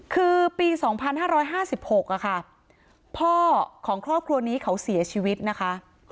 คือปี๒๕๕๖ค่ะพ่อของครอบครัวนี้เขาเสียชีวิตนะคะ